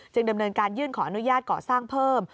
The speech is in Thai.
ดำเนินการยื่นขออนุญาตก่อสร้างเพิ่ม